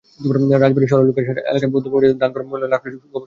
রাজবাড়ী শহরের লোকোশেড এলাকায় বধ্যভূমিটিতে ধান, গম, কাপড়, লাকড়ি, গোবর শুকানো হয়।